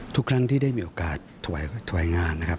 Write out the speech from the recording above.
ทุกครั้งที่ได้มีโอกาสถวายงานนะครับ